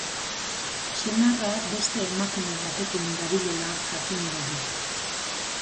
Senarra beste emakume batekin dabilela jakingo du.